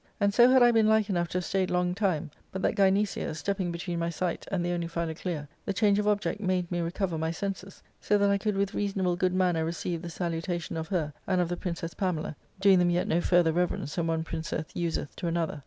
And so had I been like enough to have stayed long time, but that Gynecia, stepping between my sight and the only Philoclea, the change of object made me recover my senses ; so that I could with reasonable good manner receive the salutation of her and of the Princess Pamela, doing them yet no further reverence than one princess useth to another.